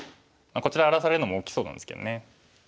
こちら荒らされるのも大きそうなんですけどね。